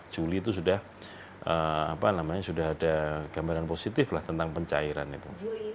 juli itu sudah ada gambaran positif lah tentang pencairan itu